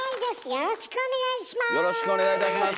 よろしくお願いします。